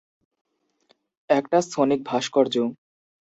একটা সোনিক ভাস্কর্য।